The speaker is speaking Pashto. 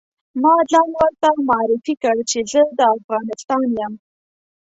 ما ځان ورته معرفي کړ چې زه د افغانستان یم.